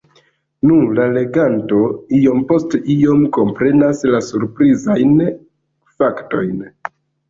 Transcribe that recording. Nu, la leganto iom post iom komprenas la surprizajn faktojn.